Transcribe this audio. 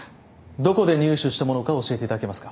どこで入手したものか教えていただけますか。